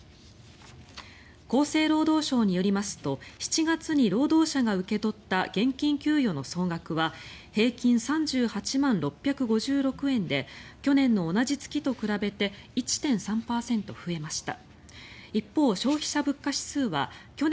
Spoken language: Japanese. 厚生労働省によりますと７月に労働者が受け取った現金給与の総額は平均３８万６５６円で去年の同じ月と比べて１．３％増えました。